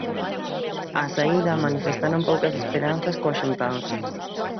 Á saída, manifestaron poucas esperanzas coa xuntanza.